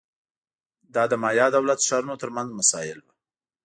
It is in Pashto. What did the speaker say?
دا د مایا دولت ښارونو ترمنځ مسایل وو